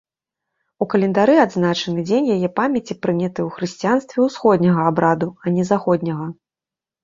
У календары адзначаны дзень яе памяці прыняты ў хрысціянстве ўсходняга абраду, а не заходняга.